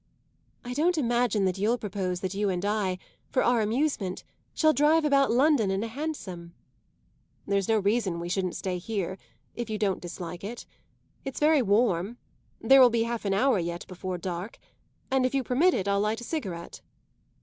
"I don't imagine that you'll propose that you and I, for our amusement, shall drive about London in a hansom." "There's no reason we shouldn't stay here if you don't dislike it. It's very warm; there will be half an hour yet before dark; and if you permit it I'll light a cigarette."